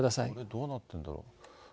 どうなってるんだろう。